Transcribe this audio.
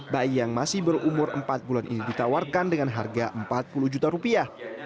bayi yang masih berumur empat bulan ini ditawarkan dengan harga empat puluh juta rupiah